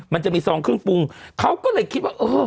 มันจะมีซองเครื่องปรุงเขาก็เลยคิดว่าเออ